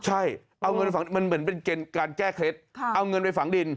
ใช่เอาเงินเหมือนเป็นการแก้เคล็ดเอาเงินไปฝังดิน